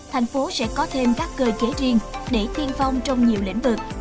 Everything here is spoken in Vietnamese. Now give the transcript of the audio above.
thành phố sẽ có thêm các cơ chế riêng để tiên phong trong nhiều lĩnh vực